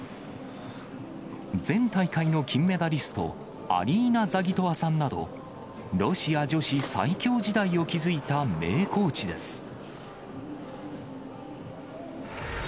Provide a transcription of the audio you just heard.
前大会の金メダリスト、アリーナ・ザギトワさんなど、ロシア女子最強時代を築いた名コーチです。